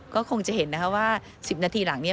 ก็คงจะเห็นนะคะว่า๑๐นาทีหลังนี้